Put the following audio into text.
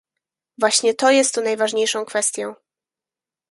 Właśnie to jest tu najważniejszą kwestią